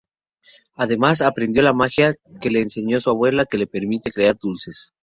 Además, aprendió la magia que le enseñó su abuela, que le permite crear dulces.